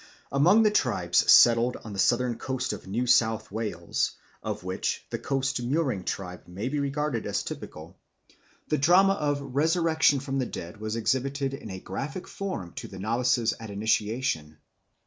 Among the tribes settled on the southern coast of New South Wales, of which the Coast Murring tribe may be regarded as typical, the drama of resurrection from the dead was exhibited in a graphic form to the novices at initiation.